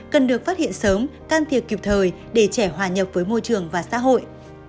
cần được phát hiện sớm can thiệp kịp thời để trẻ hòa nhập với môi trường và xã hội